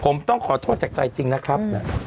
ผมต้องขอโทษจากใจจริงนะครับ